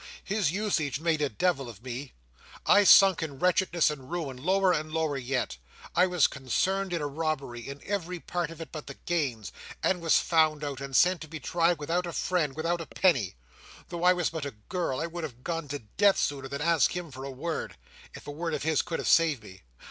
"His usage made a Devil of me. I sunk in wretchedness and ruin, lower and lower yet. I was concerned in a robbery—in every part of it but the gains—and was found out, and sent to be tried, without a friend, without a penny. Though I was but a girl, I would have gone to Death, sooner than ask him for a word, if a word of his could have saved me.